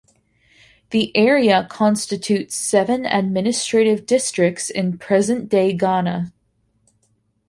The area constitutes seven administrative districts in present-day Ghana.